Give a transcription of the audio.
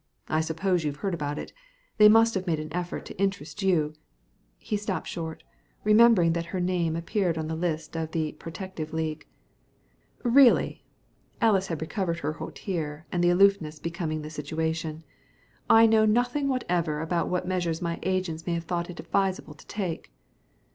I suppose you've heard about it. They must have made an effort to interest you " he stopped short, remembering that her name appeared on the lists of the "Protective League." "Really" Alys had recovered her hauteur and the aloofness becoming the situation "I know nothing whatever about what measures my agents have thought it advisable to take."